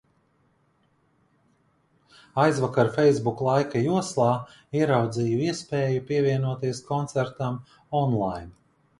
Aizvakar facebook laika joslā ieraudzīju iespēju pievienoties koncertam on-line.